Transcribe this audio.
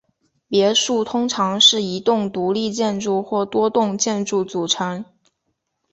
别墅通常是一栋独立建筑或多栋建筑组成。